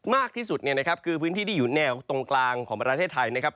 มากที่สุดเนี่ยนะครับคือพื้นที่ที่อยู่แนวตรงกลางของประเทศไทยนะครับ